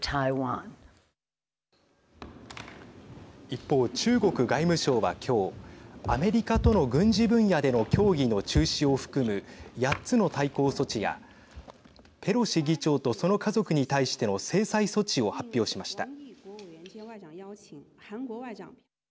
一方、中国外務省は今日アメリカとの軍事分野での協議の中止を含む８つの対抗措置やペロシ議長とその家族に対しての制裁措置を発表しました。